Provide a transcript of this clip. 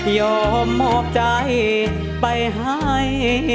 ยอมมอบใจไปหาย